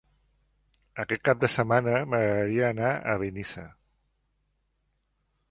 Aquest cap de setmana m'agradaria anar a Benissa.